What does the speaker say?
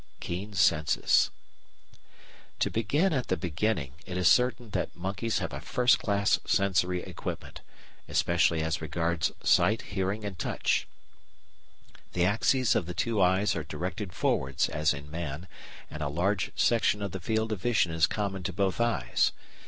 Keen Senses To begin at the beginning, it is certain that monkeys have a first class sensory equipment, especially as regards sight, hearing, and touch. The axes of the two eyes are directed forwards as in man, and a large section of the field of vision is common to both eyes.